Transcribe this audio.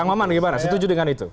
kang maman bagaimana setuju dengan itu